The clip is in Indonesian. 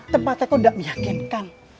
tempatnya kok gak meyakinkan